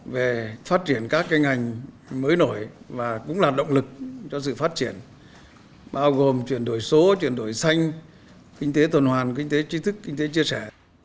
về phát triển các ngành mới nổi và cũng là động lực cho sự phát triển bao gồm chuyển đổi số chuyển đổi xanh kinh tế tuần hoàn kinh tế trí thức kinh tế chia sẻ